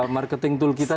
marketing tool kita